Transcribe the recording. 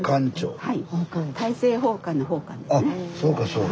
はい。